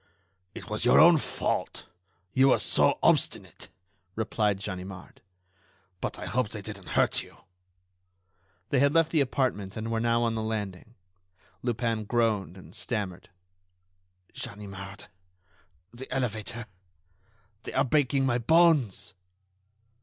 "It was your own fault; you were so obstinate," replied Ganimard. "But I hope they didn't hurt you." They had left the apartment and were now on the landing. Lupin groaned and stammered: "Ganimard ... the elevator ... they are breaking my bones."